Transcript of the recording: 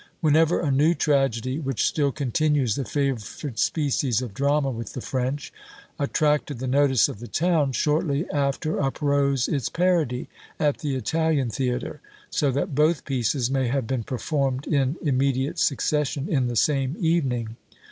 Whenever a new tragedy, which still continues the favourite species of drama with the French, attracted the notice of the town, shortly after uprose its parody at the Italian theatre, so that both pieces may have been performed in immediate succession in the same evening.